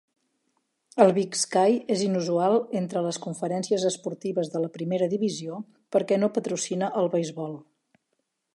El Big Sky és inusual entre les conferències esportives de la Primera Divisió perquè no patrocina el beisbol.